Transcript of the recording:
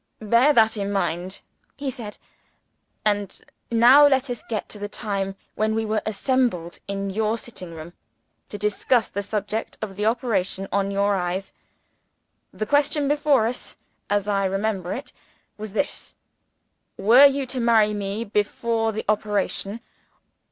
"Bear that in mind," he said. "And now let us get to the time when we were assembled in your sitting room, to discuss the subject of the operation on your eyes. The question before us, as I remember it, was this. Were you to marry me, before the operation?